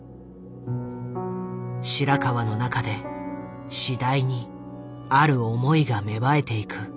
白川の中で次第にある思いが芽生えていく。